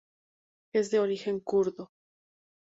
Es de origen kurdo.